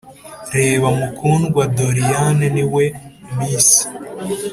reba mukundwa doriane niwe miss.